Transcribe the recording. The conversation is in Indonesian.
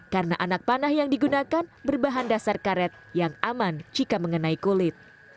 karena anak panah yang digunakan berbahan dasar karet yang aman jika mengenai kulit